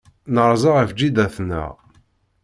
Nerza ɣef jida-tneɣ.